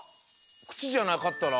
くちじゃなかったら。